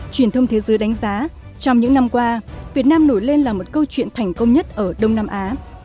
trong những năm qua việt nam nổi lên là một câu chuyện thành công nhất ở đông nam á